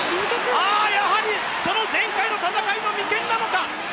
やはり、その前回の戦いの眉間なのか。